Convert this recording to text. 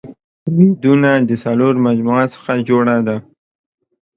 ويدونه د څلورو مجموعو څخه جوړه ده